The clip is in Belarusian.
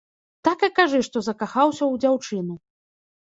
Так і кажы, што закахаўся ў дзяўчыну.